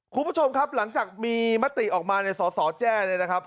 คุณผู้ชมครับหลังจากมีมติออกมาเนี่ยสสแจ้เนี่ยนะครับ